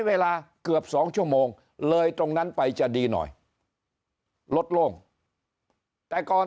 เวลาเกือบ๒ชั่วโมงเลยตรงนั้นไปจะดีหน่อยลดลงแต่ก่อน